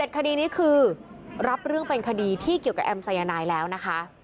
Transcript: คดีนี้คือรับเรื่องเป็นคดีที่เกี่ยวกับแอมสายนายแล้วนะคะ